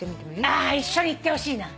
ああ一緒にいってほしいな。